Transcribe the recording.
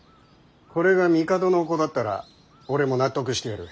これが帝の御子だったら俺も納得してやる。